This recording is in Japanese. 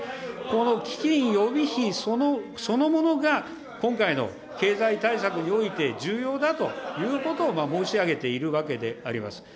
この基金、予備費そのものが、今回の経済対策において重要だということを申し上げているわけであります。